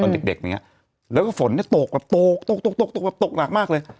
ตอนเด็กอะไรอย่างงี้แล้วก็ฝนเนี่ยตกตกมากเลย